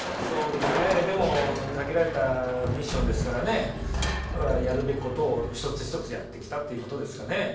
そうですねでも限られたミッションですからねだからやるべきことを一つ一つやってきたっていうことですかね